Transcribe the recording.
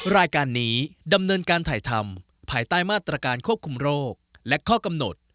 รายการนี้ดำเนินการถ่ายทำภายใต้มาตรการควบคุมโรคและข้อกำหนด